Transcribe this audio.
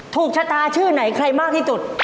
ถูกชะตาชื่อไหนใครมากที่สุด